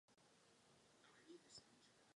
Ve dvaceti letech promoval jako doktor přírodních věd.